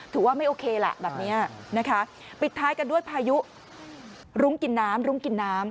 ถือว่าไม่โอเคแหละแบบนี้นะคะปิดท้ายกันด้วยพายุรุ้งกินน้ำรุ้งกินน้ำ